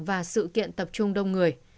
và sự kiện tập trung đông người